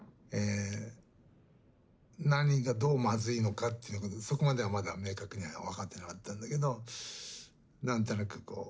何がどうまずいのかっていうそこまではまだ明確には分かってなかったんだけど何となくこう。